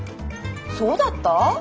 そうだった？